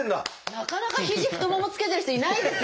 なかなか肘太ももつけてる人いないですよ。